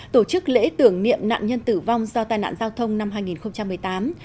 tổ chức lễ tưởng niệm nạn nhân tử vong do tai nạn giao thông năm hai nghìn một mươi tám